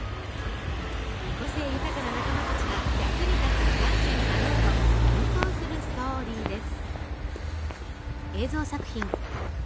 個性豊かな仲間たちが役に立つ機関車になろうと奮闘するストーリーです。